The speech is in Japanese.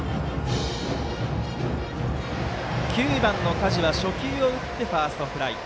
９番の加地は初球を打ってファーストフライ。